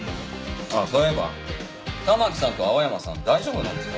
そういえば環さんと青山さん大丈夫なんですか？